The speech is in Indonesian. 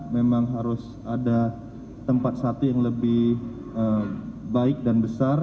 memang harus ada tempat satu yang lebih baik dan besar